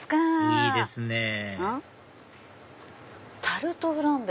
いいですねぇ「タルトフランベ」。